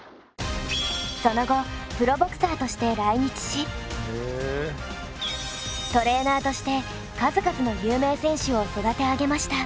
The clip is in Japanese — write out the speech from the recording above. その後プロボクサーとして来日しトレーナーとして数々の有名選手を育て上げました。